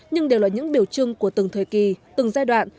nhưng đều là những biểu trưng của từng thời kỳ từng giai đoạn